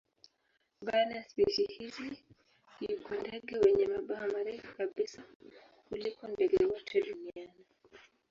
Baina ya spishi hizi yuko ndege wenye mabawa marefu kabisa kuliko ndege wote duniani.